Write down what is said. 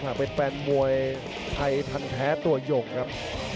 เป็นแฟนมวยไทยทันแท้ตัวหยกครับ